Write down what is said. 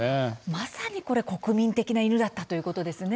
まさに国民的な犬だったということですね。